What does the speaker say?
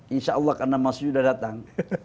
insya allah karena mas yuda datang